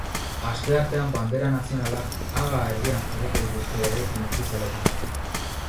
Asteartean bandera nazionalak haga erdian jarriko dituzte eraikin ofizialetan.